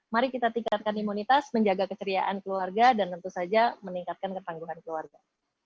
mari kita tingkatkan imunitas menjaga keceriaan keluarga dan tentu saja meningkatkan ketangguhan keluarga